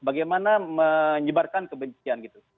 bagaimana menyebarkan kebencian gitu